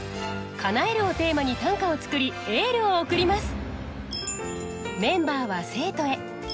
「叶える」をテーマに短歌を作りエールを送ります。